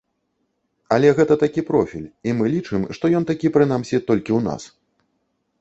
Але гэта такі профіль, і мы лічым, што ён такі, прынамсі, толькі ў нас.